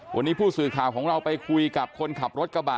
วันนี้ผู้สื่อข่าวของเราไปคุยกับคนขับรถกระบะ